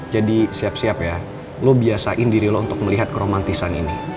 jadi siap siap ya lo biasain diri lo untuk melihat keromantisan ini